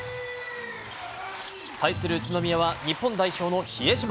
対する宇都宮は、日本代表の比江島。